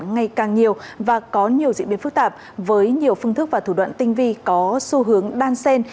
ngày càng nhiều và có nhiều diễn biến phức tạp với nhiều phương thức và thủ đoạn tinh vi có xu hướng đan sen